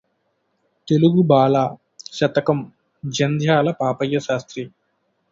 తెలుగుబాల! శతకంజంధ్యాల పాపయ్య శాస్త్రి